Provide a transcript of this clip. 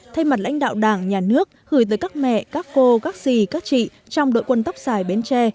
thay mặt lãnh đạo đảng nhà nước gửi tới các mẹ các cô các sĩ các chị trong đội quân tóc dài bến tre